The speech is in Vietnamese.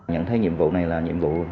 nhận thấy nhiệm vụ này là nhiệm vụ